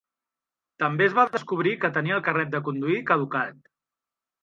També es va descobrir que tenia el carnet de conduir caducat.